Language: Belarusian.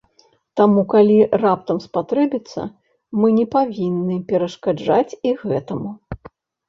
Таму, калі раптам спатрэбіцца, мы не павінны перашкаджаць і гэтаму.